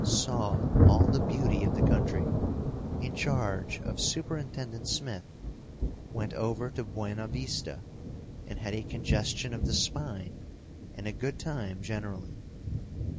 Saw all the beauty of the country, in charge of Superintendent Smith, went over to Buena Vista and had a congestion of the spine and a good time generally.